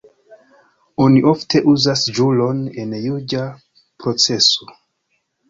Oni ofte uzas ĵuron en juĝa proceso.